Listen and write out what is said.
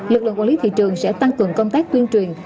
lực lượng quản lý thị trường sẽ tăng cường công tác tuyên truyền